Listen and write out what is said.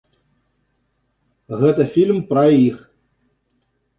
Гэта фільм пра іх.